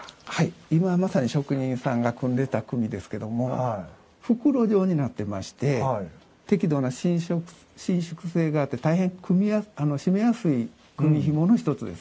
今まさに職人さんが組んでた組ですけども袋状になってまして適度な伸縮性があって大変締めやすい組みひもの一つです。